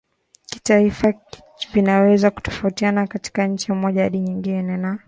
kitaifa vinaweza kutofautiana kutoka nchi moja hadi nyingine na